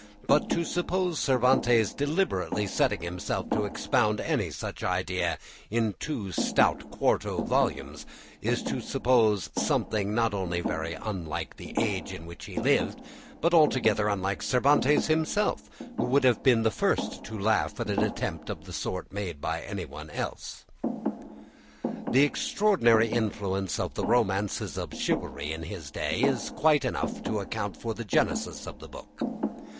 But to suppose Cervantes deliberately setting himself to expound any such idea in two stout quarto volumes is to suppose something not only very unlike the age in which he lived, but altogether unlike Cervantes himself, who would have been the first to laugh at an attempt of the sort made by anyone else. The extraordinary influence of the romances of chivalry in his day is quite enough to account for the genesis of the book.